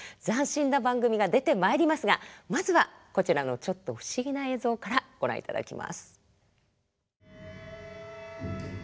斬新な番組が出てまいりますがまずはこちらのちょっと不思議な映像からご覧いただきます。